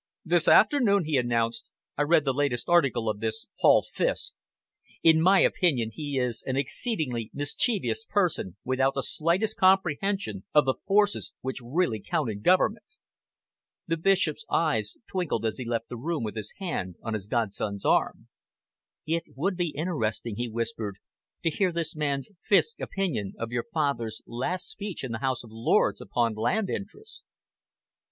"This afternoon," he announced, "I read the latest article of this Paul Fiske. In my opinion he is an exceedingly mischievous person, without the slightest comprehension of the forces which really count in government." The Bishop's eyes twinkled as he left the room with his hand on his godson's arm. "It would be interesting," he whispered, "to hear this man Fiske's opinion of your father's last speech in the House of Lords upon land interests!"